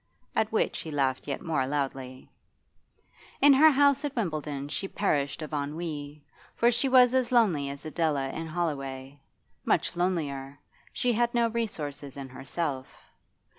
At which he laughed yet more loudly. In her house at Wimbledon she perished of ennui, for she was as lonely as Adela in Holloway. Much lonelier; she had no resources in herself.